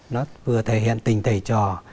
nó vừa thể hiện tình thầy trò